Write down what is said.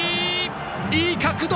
いい角度！